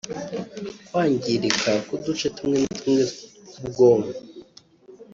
kwangirika k’uduce tumwe na tumwe tw’ubwonko